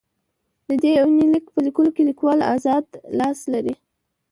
د دې يونليک په ليکلوکې ليکوال اذاد لاس لري.